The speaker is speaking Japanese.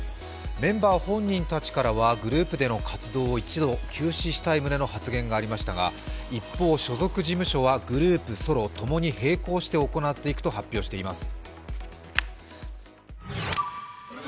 メンバー本人たちからはグループでの活動を一度休止したい旨の発言がありましたが、一方、所属事務所はグループ、ソロ、ともに並行して行っていくと話しています。